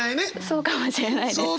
そうかもしれないです。